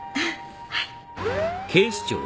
はい。